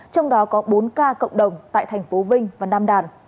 trong đó có bốn ca cộng đồng tại thành phố vinh và nam đàn